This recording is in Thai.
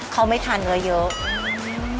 เขาไม่ทานเนื้อเยอะ